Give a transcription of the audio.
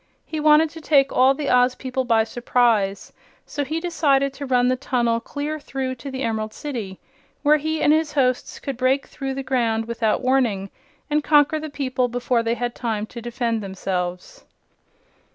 He wanted to take all the Oz people by surprise; so he decided to run the tunnel clear through to the Emerald City, where he and his hosts could break through the ground without warning and conquer the people before they had time to defend themselves.